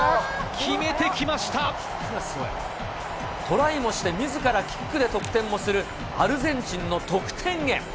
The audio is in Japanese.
トライもして、みずからキックで得点もするアルゼンチンの得点源。